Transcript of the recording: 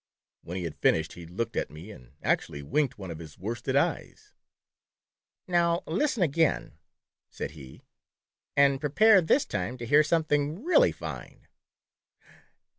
When he had finished, he looked at me, and actually winked one of his worsted eyes !" Now listen again," said he, "and prepare this time to hear something really fine.